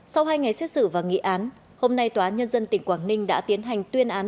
sau hai ngày xét xử và nghị án hôm nay tòa án nhân dân tỉnh quảng ninh đã tiến hành tuyên án